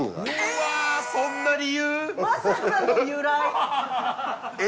うわーそんな理由？